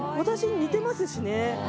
私に似てますしね。